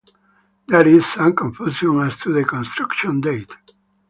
There is some confusion as to the construction date.